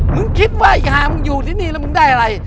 มึงคิดว่าอีกหามึงอยู่ที่นี่แล้วมึงได้อะไร